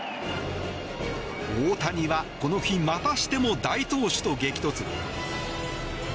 大谷はこの日またしても大投手と激突。